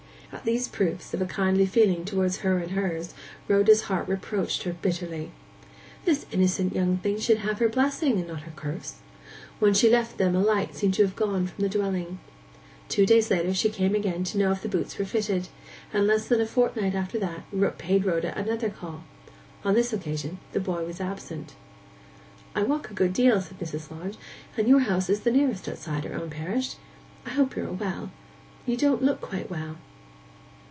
At these proofs of a kindly feeling towards her and hers Rhoda's heart reproached her bitterly. This innocent young thing should have her blessing and not her curse. When she left them a light seemed gone from the dwelling. Two days later she came again to know if the boots fitted; and less than a fortnight after that paid Rhoda another call. On this occasion the boy was absent. 'I walk a good deal,' said Mrs. Lodge, 'and your house is the nearest outside our own parish. I hope you are well. You don't look quite well.